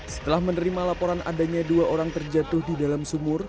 setelah menerima laporan adanya dua orang terjatuh di dalam sumur